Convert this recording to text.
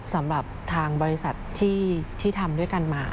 สำหรับทางบริษัทที่ทำด้วยกันมา